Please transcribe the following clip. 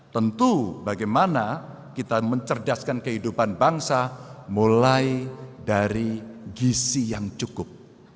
tentu bagaimana kita mencerdaskan kehidupan bangsa mulai dari gisi yang cukup